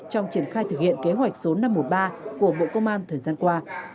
trong triển khai thực hiện kế hoạch số năm trăm một mươi ba của bộ công an thời gian qua